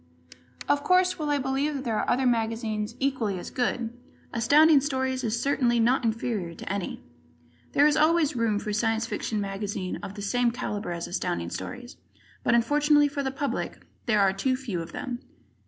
Of course, while I believe that there are other magazines equally as good, Astounding Stories is certainly not inferior to any. There is always room for a Science Fiction magazine of the same caliber as Astounding Stories, but unfortunately for the public there are too few of them.